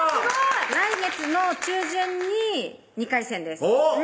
来月の中旬に２回戦ですおっ！